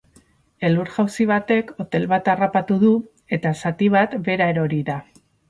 Elur-jausi batek hotel bat harrapatu du, eta zati bat behera erori da.